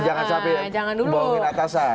jangan sampai bawa atasan